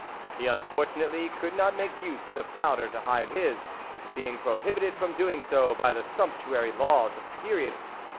He, unfortunately, could not make use of powder to hide his, being prohibited from doing so by the sumptuary laws of the period.